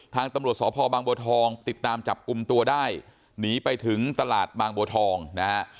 ทางตำรวจสพบางบัวทองติดตามจับกลุ่มตัวได้หนีไปถึงตลาดบางบัวทองนะฮะ